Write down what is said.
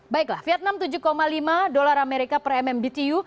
baiklah vietnam tujuh lima dolar amerika per mm btu